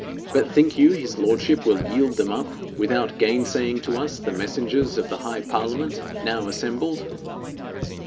But think you his lordship will yield them up without gainsaying to us the messengers of the High Parliament now assembled?'